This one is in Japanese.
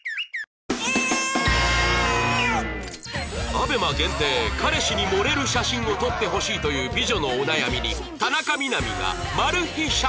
ＡＢＥＭＡ 限定彼氏に盛れる写真を撮ってほしい！！という美女のお悩みに